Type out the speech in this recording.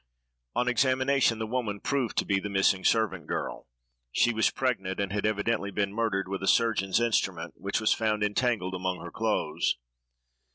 On examination, the woman proved to be the missing servant girl. She was pregnant, and had evidently been murdered with a surgeon's instrument, which was found entangled among her clothes.